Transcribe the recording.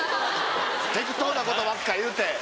適当なことばっか言うて。